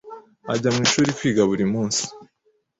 Ajya mwishuri kwiga buri munsi.